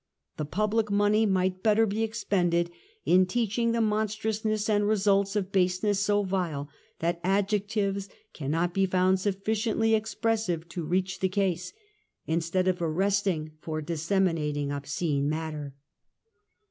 The public money might better be expended in teaching the monstrousness and results of baseness so vile that adjectives cannot be found sufficiently expressive to reach the case, instead of arresting for disseminating obscene matter.